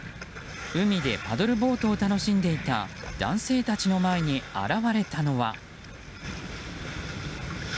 海でパドルボートを楽しんでいた男性たちの前に現れたのは。